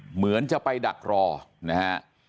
เหมือนจะไปดักรอนะฮะ